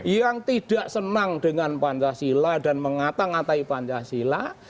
yang tidak senang dengan pancasila dan mengatakan pancasila